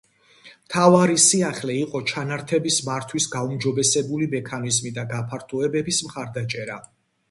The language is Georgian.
მთავარი სიახლე იყო ჩანართების მართვის გაუმჯობესებული მექანიზმი და გაფართოებების მხარდაჭერა.